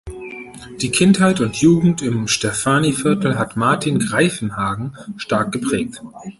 Die Kindheit und Jugend im Stephaniviertel hat Martin Greiffenhagen stark geprägt.